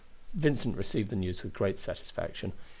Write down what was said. Vincent received the news with great satisfaction.